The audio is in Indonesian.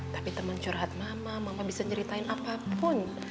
tapi teman curhat mama mama bisa ceritain apapun